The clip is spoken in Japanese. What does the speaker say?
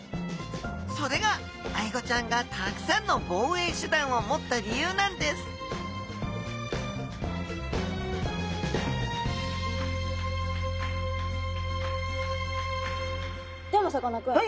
それがアイゴちゃんがたくさんの防衛手段を持った理由なんですでもさかなクン。